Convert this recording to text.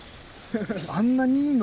・あんなにいんの！